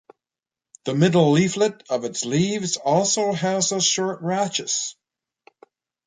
The middle leaflet of its leaves also has a short rachis.